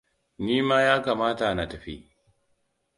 Nima ya kamata na tafi.